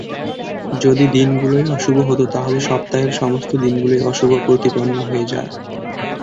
যদি দিনগুলোই অশুভ হত তাহলে সপ্তাহের সমস্ত দিনগুলোই অশুভ প্রতিপন্ন হয়ে যায়।